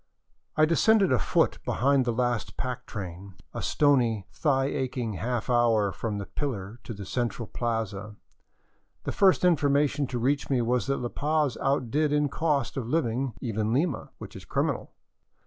I descended afoot behind the last pack train, a stony, thigh aching half hour from the pillar to the central plaza. The first information to reach me was that La Paz outdid in cost of living even Lima, which is criminal.